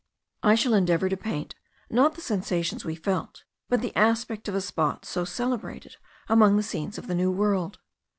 I shall endeavour to paint, not the sensations we felt, but the aspect of a spot so celebrated among the scenes of the New World.